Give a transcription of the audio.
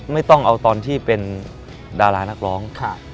ไม่ต้องเอาตอนที่เป็นดารานักร้อง